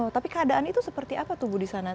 tapi keadaan itu seperti apa tuh bu di sana